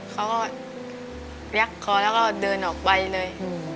เขาก็เรียกเขาแล้วก็เดินออกไปเลย